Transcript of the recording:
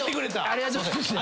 ありがとう粗品。